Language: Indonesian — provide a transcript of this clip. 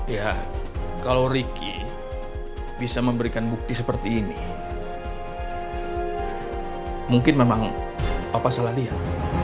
ya kalau ricky bisa memberikan bukti seperti ini mungkin memang papa salah lihat